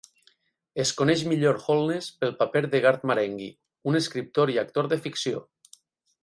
Es coneix millor Holness pel paper de Garth Marenghi, un escriptor i actor de ficció.